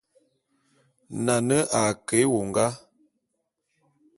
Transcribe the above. Nane a ke éwongá.